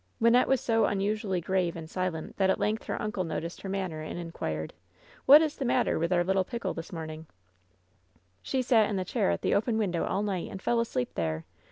Wynnette was so unusually grave and silent that at length her uncle noticed her manner and inquired : "What is the matter with our little Pickle this mom ingr "She sat in the chair at the open window all night, and fell asleep there.